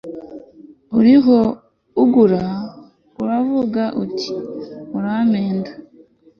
uriho agura aravuga ati murampenda